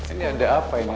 ini ada apa ini